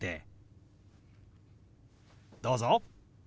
どうぞ。